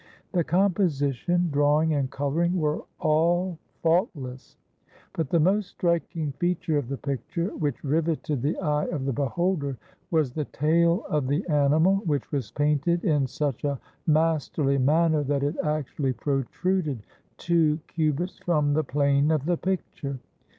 The compo sition, drawing, and coloring were all faultless; but the most striking feature of the picture, which riveted the eye of the beholder, was the tail of the animal, which was painted in such a masterly manner that it actu ally protruded two cubits from the plane of the picture.